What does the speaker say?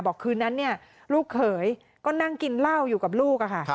คืนนั้นลูกเขยก็นั่งกินเหล้าอยู่กับลูกค่ะ